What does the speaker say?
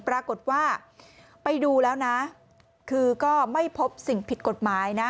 ปรากฏว่าไปดูแล้วนะคือก็ไม่พบสิ่งผิดกฎหมายนะ